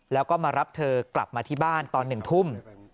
แล้วก็มารับเธอกลับมาที่บ้านตอน๑ทุ่ม